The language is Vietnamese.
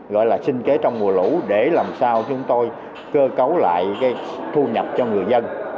gọi là sinh kế trong mùa lũ để làm sao chúng tôi cơ cấu lại cái thu nhập cho người dân